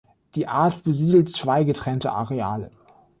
Die Art besiedelt zwei getrennte Areale.